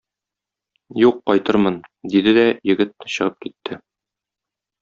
Юк, кайтырмын, - диде дә егет чыгып китте.